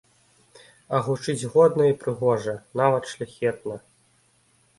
А гучыць годна і прыгожа, нават шляхетна!